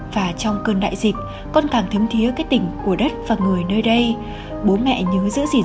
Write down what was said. và trong cơn đại dịch con càng thấm thiế cái tình của đất và người nơi đây bố mẹ nhớ giữ gìn